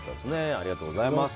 ありがとうございます。